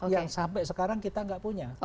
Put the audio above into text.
yang sampai sekarang kita nggak punya